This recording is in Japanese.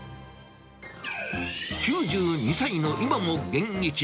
９２歳の今も現役。